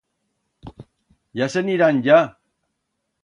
Ya se'n irán, ya.